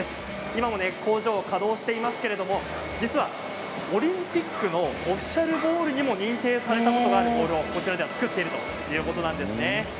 今も工場は稼働していますけれども実はオリンピックのオフィシャルボールにも認定されたことがあるボールをこちらでは作っているということです。